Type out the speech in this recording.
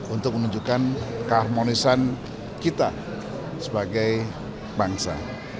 untuk menunjukkan keharmonisan kita sebagai bangsa